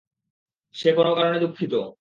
সে কোনো কারণে দুঃখিত।